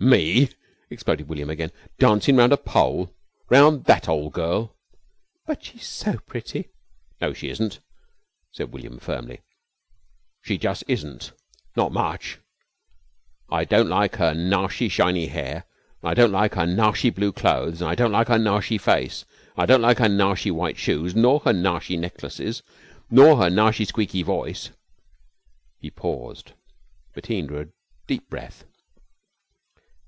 "Me!" exploded William again. "Dancin' round a pole! Round that ole girl?" "But she's so pretty." "No, she isn't," said William firmly, "she jus' isn't. Not much! I don' like her narsy shiny hair an' I don' like her narsy blue clothes, an' I don' like her narsy face, an' I don' like her narsy white shoes, nor her narsy necklaces, nor her narsy squeaky voice " He paused. Bettine drew a deep breath.